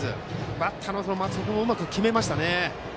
バッターの松尾君もうまく決めましたね。